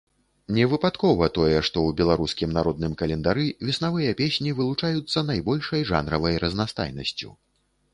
Невыпадкова тое, што ў беларускім народным календары веснавыя песні вылучаюцца найбольшай жанравай разнастайнасцю.